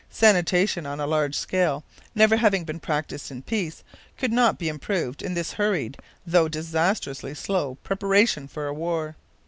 Sanitation on a large scale, never having been practised in peace, could not be improvised in this hurried, though disastrously slow, preparation for a war.